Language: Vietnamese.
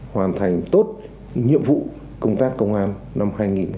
hoàn thành tốt nhiệm vụ công tác công an năm hai nghìn hai mươi ba